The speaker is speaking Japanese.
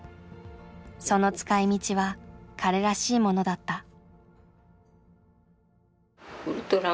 その使いみちは彼らしいものだった。